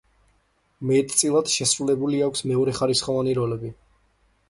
მეტწილად შესრულებული აქვს მეორეხარისხოვანი როლები.